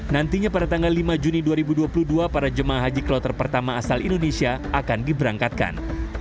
nantinya pada tanggal lima juni dua ribu dua puluh dua para jemaah haji kloter pertama asal indonesia akan diberangkatkan